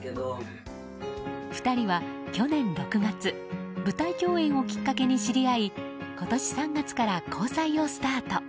２人は去年６月舞台共演をきっかけに知り合い今年３月から交際をスタート。